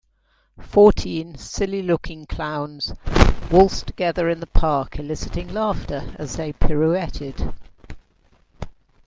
Fourteen silly looking clowns waltzed together in the park eliciting laughter as they pirouetted.